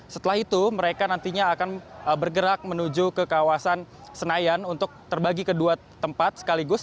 setelah itu mereka nantinya akan bergerak menuju ke kawasan senayan untuk terbagi ke dua tempat sekaligus